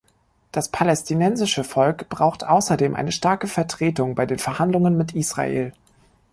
Das palästinensische Volk braucht außerdem eine starke Vertretung bei den Verhandlungen mit Israel.